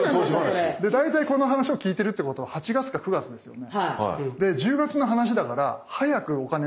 大体この話を聞いてるってことは８月か９月ですよね。